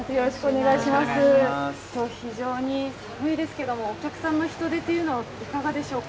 今日、非常に寒いですけどもお客さんの人出はいかがでしょうか。